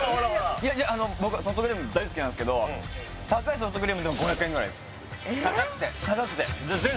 いや僕ソフトクリーム大好きなんですけど高いソフトクリームでも５００円ぐらいです高くて？